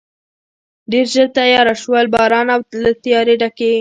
ډېر ژر تېاره شول، باران او له تیارې ډکې.